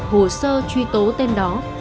hồ sơ truy tố tên đó